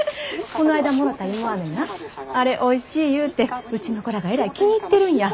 こないだもろた芋アメなあれおいしい言うてうちの子らがえらい気に入ってるんや。